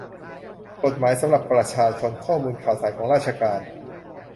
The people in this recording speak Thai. กฎหมายสำหรับประชาชน : ข้อมูลข่าวสารของราชการ